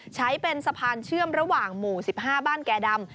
ใช้เป็นสะพานเชื่อมระหว่างหมู่๑๕บ้านแก่ดำ